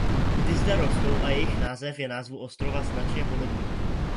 Ty zde rostou a jejich název je názvu ostrova značně podobný.